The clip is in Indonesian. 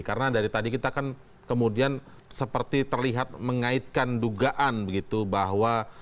karena dari tadi kita kan kemudian seperti terlihat mengaitkan dugaan bahwa